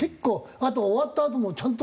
あと終わったあともちゃんと。